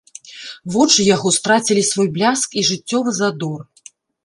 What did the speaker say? Вочы яго страцілі свой бляск і жыццёвы задор.